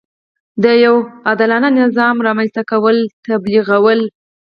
د یوه عادلانه نظام رامنځته کول تبلیغول.